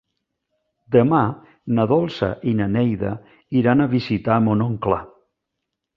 Demà na Dolça i na Neida iran a visitar mon oncle.